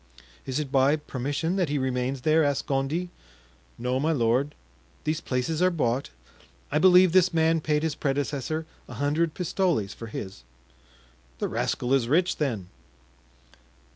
"Is it by permission that he remains there?" asked Gondy. "No, my lord; these places are bought. I believe this man paid his predecessor a hundred pistoles for his." "The rascal is rich, then?"